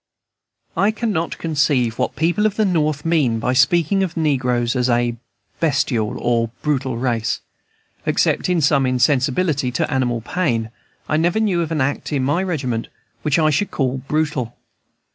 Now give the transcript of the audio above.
I cannot conceive what people at the North mean by speaking of the negroes as a bestial or brutal race. Except in some insensibility to animal pain, I never knew of an act in my regiment which I should call brutal.